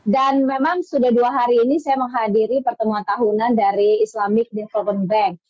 dan memang sudah dua hari ini saya menghadiri pertemuan tahunan dari islamic development bank